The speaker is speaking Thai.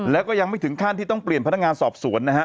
แล้วก็ยังไม่ถึงขั้นที่ต้องเปลี่ยนพนักงานสอบสวนนะฮะ